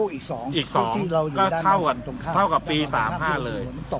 อีก๒ก็เท่ากับปี๑๙๓๕เลย